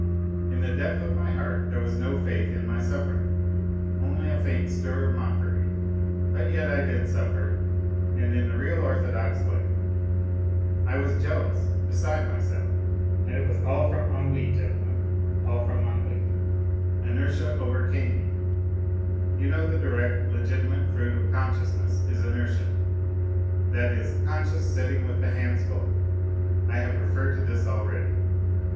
In the depth of my heart there was no faith in my suffering, only a faint stir of mockery, but yet I did suffer, and in the real, orthodox way; I was jealous, beside myself ... and it v/as all from ennui, gentlemen, all from ennui ; inertia overcame me. You know the direct, legitimate fruit of conscious ness is inertia, that is, conscious sitting with the hands folded. I have referred to this already.